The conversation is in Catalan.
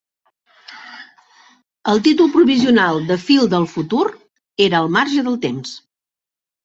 El títol provisional de "Phil del futur" era "Al marge del temps"